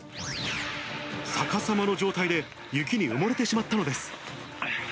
逆さまの状態で雪に埋もれてしまったのです。